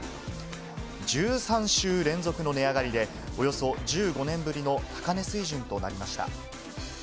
１３週連続の値上がりで、およそ１５年ぶりの高値水準となりました。